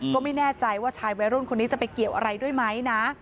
ก็ไม่แน่ใจว่าชายวัยรุ่นคนนี้จะไปเกี่ยวอะไรด้วยไหมนะ